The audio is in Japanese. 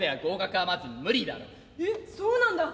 「えっそうなんだ。